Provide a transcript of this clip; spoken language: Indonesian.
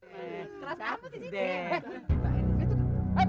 eh terasa kamu di sini